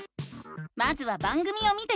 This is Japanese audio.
まずは番組を見てみよう！